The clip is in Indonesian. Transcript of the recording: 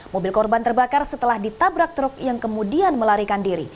mobil korban terbakar setelah ditabrak truk yang kemudian melarikan diri